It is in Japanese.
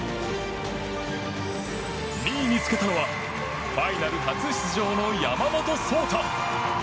２位につけたのはファイナル初出場の山本草太。